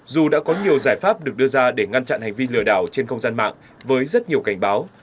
dù đã có nhiều giải pháp được đưa ra để ngăn chặn hành vi lừa đảo trên không gian mạng với rất nhiều cảnh báo